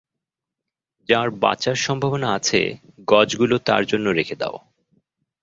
যার বাঁচার সম্ভাবনা আছে গজগুলো তার জন্য রেখে দাও।